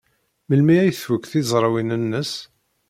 Melmi ay tfuk tizrawin-nnes?